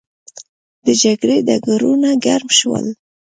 د جګړې ډګرونه ګرم شول.